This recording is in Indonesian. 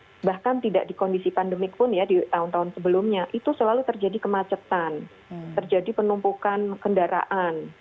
karena itu bahkan tidak di kondisi pandemik pun ya di tahun tahun sebelumnya itu selalu terjadi kemacetan terjadi penumpukan kendaraan